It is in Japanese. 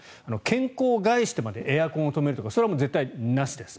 健康を害してまでエアコンを止めるとかそれは絶対なしです。